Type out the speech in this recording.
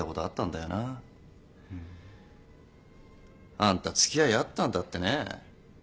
うん。あんたつきあいあったんだってね。